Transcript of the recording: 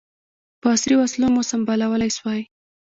په عصري وسلو مو سمبالولای سوای.